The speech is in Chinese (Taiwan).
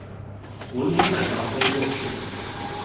我也想要飛過去